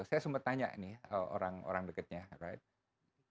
saya sempat tanya nih orang orang dekatnya right